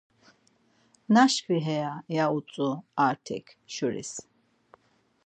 Naşkvi heya!” ya utzu Artek Şuris.